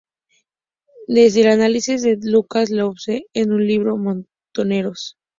Desde el análisis de Lucas Lanusse, en su libro “Montoneros.